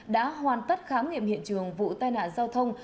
đã hoàn tất khám nghiệm hiện trường vụ tai nạn giao thông